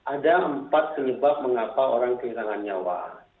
ada empat penyebab mengapa orang kehilangan nyawa